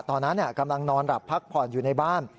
ตอนนั้นกำลังนอนหลับพักผ่อนอยู่ในบ้าน